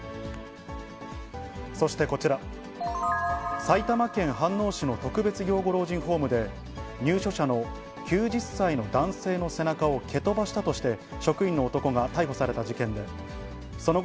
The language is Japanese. そしてこちら、埼玉県飯能市の特別養護老人ホームで、入所者の９０歳の男性の背中を蹴飛ばしたとして、職員の男が逮捕された事件で、その後、